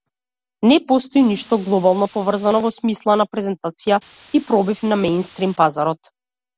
Не постои ништо глобално поврзано во смисла на презентација и пробив на меинстрим пазарот.